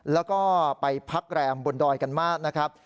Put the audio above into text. แล้วก็ไปพักแรมบนดอยกันมากนะครับ